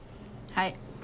はい。